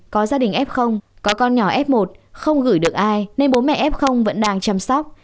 có gia đình f có con nhỏ f một không gửi được ai nên bố mẹ f vẫn đang chăm sóc